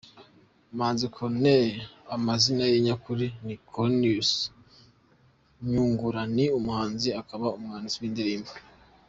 Umuhanzi Corneille amazina ye nyakuri ni Cornelius Nyungura, ni umuhanzi akaba umwanditsi w’indirimbo.